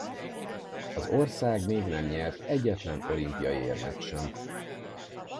Az ország még nem nyert egyetlen olimpiai érmet sem.